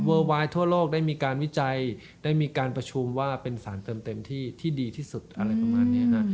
วายทั่วโลกได้มีการวิจัยได้มีการประชุมว่าเป็นสารเติมเต็มที่ที่ดีที่สุดอะไรประมาณนี้ฮะ